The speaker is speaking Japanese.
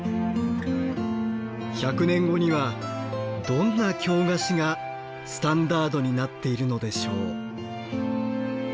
１００年後にはどんな京菓子がスタンダードになっているのでしょう。